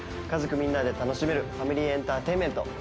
家族みんなで楽しめるファミリーエンターテインメント